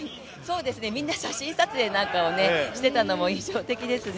みんな写真撮影なんかもしていたのも印象的ですね。